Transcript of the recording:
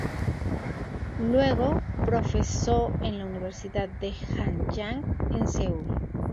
Luego profesó en la Universidad de Hanyang en Seúl.